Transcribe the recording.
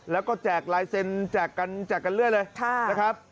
แล้วก็แจกลายเซ็นต์แจกกันเรื่อยเลยนะครับ